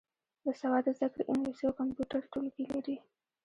د سواد زده کړې انګلیسي او کمپیوټر ټولګي لري.